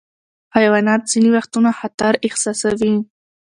حیوانات ځینې وختونه خطر احساسوي.